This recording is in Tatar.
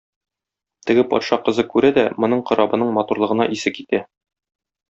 Теге патша кызы күрә дә, моның корабының матурлыгына исе китә.